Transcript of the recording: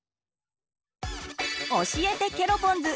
教えてケロポンズ！